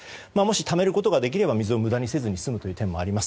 ためることができれば水を無駄にせずに済むという点もあります。